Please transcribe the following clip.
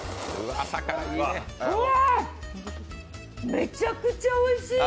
うーん、めちゃくちゃおいしい！